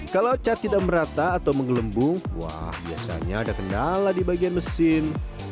kalau cat tidak merata atau menggelembung wah biasanya ada kendala di bagian mesin